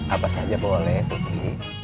apa saja boleh tuti